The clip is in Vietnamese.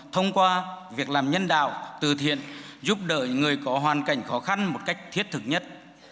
thông qua việc làm nhân đạo từ thiện giúp đỡ người có hoàn cảnh khó khăn một cách thiết thực nhất